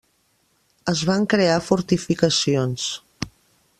Es van crear fortificacions.